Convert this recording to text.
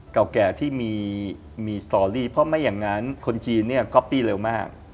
เก่าแก่ที่มีสตอรี่เพราะไม่อย่างนั้นคนจีนเนี่ยก๊อปปี้เร็วมาก